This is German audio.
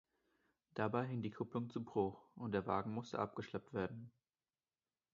Dabei hing die Kupplung zu Bruch und der Wagen musste abgeschleppt werden.